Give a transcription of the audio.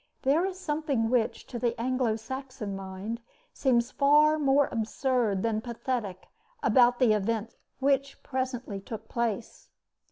There is something which, to the Anglo Saxon mind, seems far more absurd than pathetic about the events which presently took place.